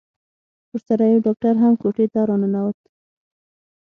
ورسره يو ډاکتر هم کوټې ته راننوت.